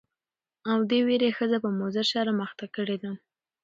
او دې ويرې ښځه په مضر شرم اخته کړې ده.